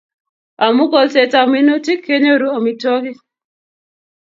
Amu kolset ab minutik kenyoru amitwog'ik